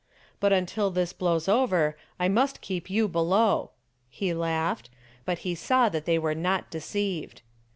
"But until this blows over I must keep you below." He laughed, but he saw they were not deceived.